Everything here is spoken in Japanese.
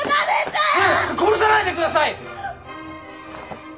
殺さないでください！